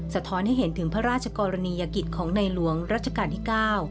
ท้อนให้เห็นถึงพระราชกรณียกิจของในหลวงรัชกาลที่๙